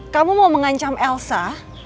kamu mau mengancam elsa